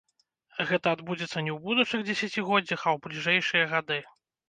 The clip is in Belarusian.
Гэта адбудзецца не ў будучых дзесяцігоддзях, а ў бліжэйшыя гады.